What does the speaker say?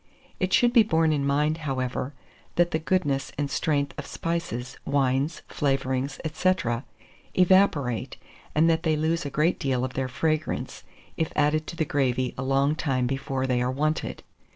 It should be borne in mind, however, that the goodness and strength of spices, wines, flavourings, &c., evaporate, and that they lose a great deal of their fragrance, if added to the gravy a long time before they are wanted.